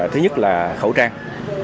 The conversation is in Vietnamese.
thứ nhất là khẩu trang